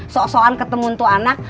sok soan ketemu untuk anak